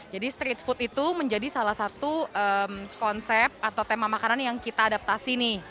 jadi street food itu menjadi salah satu konsep atau tema makanan yang kita adaptasi nih